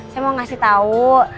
saya mau ngasih tahu